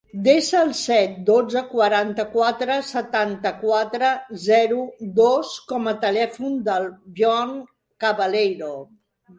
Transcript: Desa el set, dotze, quaranta-quatre, setanta-quatre, zero, dos com a telèfon del Bjorn Cabaleiro.